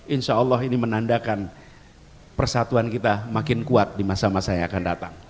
insya allah ini menandakan persatuan kita makin kuat di masa masa yang akan datang